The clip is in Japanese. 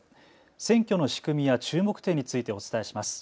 選挙の仕組みや注目点についてお伝えします。